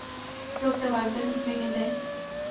লোকটা বাগদান ভেঙে দেয়।